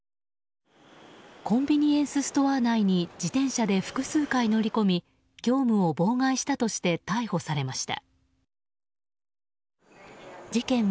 コンビニエンスストア内に自転車で複数回乗り込み業務を妨害したとして逮捕されました。